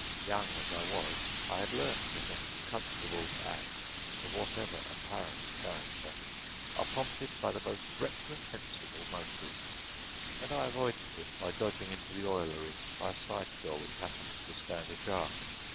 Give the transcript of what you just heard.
Young as I was, I had learned that a constable's acts, of whatever apparent character, are prompted by the most reprehensible motives, and I avoided him by dodging into the oilery by a side door which happened to stand ajar.